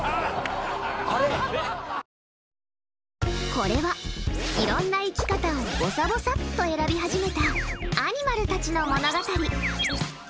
これは、いろんな生き方をぼさぼさっと選び始めたアニマルたちの物語。